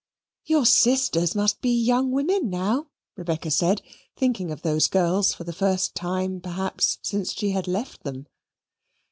"Your sisters must be young women now," Rebecca said, thinking of those girls for the first time perhaps since she had left them.